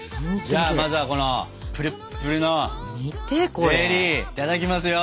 じゃあまずはこのぷるっぷるのゼリーいただきますよ。